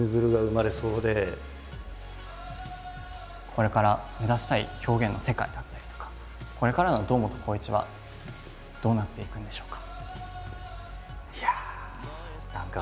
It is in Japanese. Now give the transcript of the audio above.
これから目指したい表現の世界だったりとかこれからの堂本光一はどうなっていくんでしょうか？